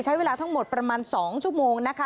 ใช้เวลาทั้งหมดประมาณ๒ชั่วโมงนะคะ